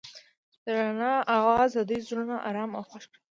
د رڼا اواز د دوی زړونه ارامه او خوښ کړل.